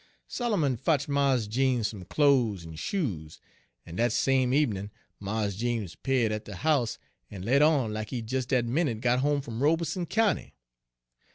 "Solomon fotch Mars Jeems some clo's en shoes, en dat same eb'nin' Mars Jeems 'peared at de house, en let on lack he des dat minute got home fum Robeson County.